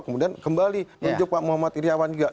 kemudian kembali menunjuk pak muhammad iryawan juga